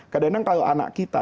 kadang kadang kalau anak kita